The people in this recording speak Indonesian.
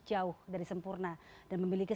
jauh dari sempurna dan memiliki